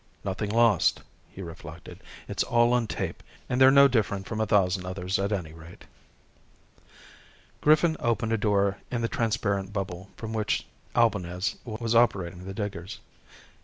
Nothing lost, he reflected. It's all on tape and they're no different from a thousand others at any rate. Griffin opened a door in the transparent bubble from which Albañez was operating the diggers.